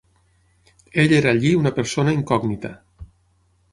Ell era allí una persona incògnita.